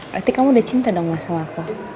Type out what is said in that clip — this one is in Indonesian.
berarti kamu udah cinta dong masalah aku